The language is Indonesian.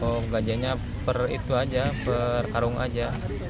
penggajiannya itu aja per karung aja